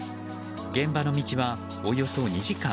現場の道は、およそ２時間